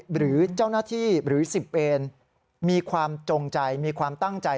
หรือเจ้าหน้าที่หรือ๑๐เอนมีความจงใจมีความตั้งใจ